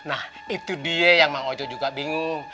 nah itu dia yang bang ojo juga bingung